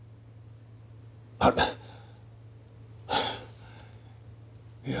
ああいや